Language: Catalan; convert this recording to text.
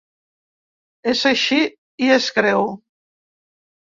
És així i és greu.